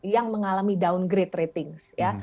yang mengalami downgrade ratings